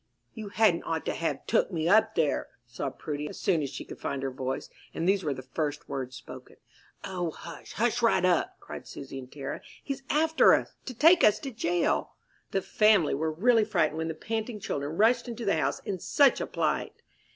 "You hadn't ought to have took me up there," sobbed Prudy, as soon as she could find her voice; and these were the first words spoken. "O, hush, hush right up!" cried Susy, in terror. "He's after us, to take us to jail." The family were really frightened when the panting children rushed into the house in such a plight.